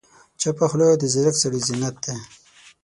چپه خوله، د ځیرک سړي زینت دی.